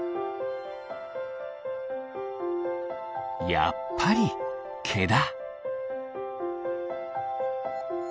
やっぱりけだ。